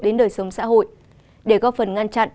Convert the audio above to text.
đến đời sống xã hội để góp phần ngăn chặn